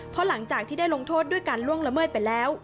เพราะหลังจากที่ได้ลงโทษด้วยการล่วงละเมิดไปแล้ว